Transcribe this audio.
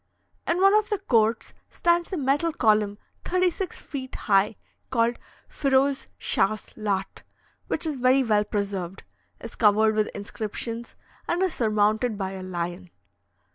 In one of the courts stands a metal column thirty six feet high, called Feroze Schachs Laht, which is very well preserved, is covered with inscriptions, and is surmounted by a lion.